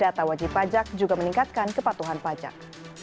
data wajib pajak juga meningkatkan kepatuhan pajak